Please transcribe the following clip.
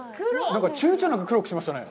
なんかちゅうちょなく黒くしましたね。